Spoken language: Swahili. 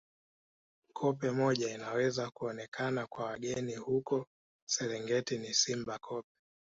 Koppe moja inayoweza kuonekana kwa wageni huko Serengeti ni Simba Koppe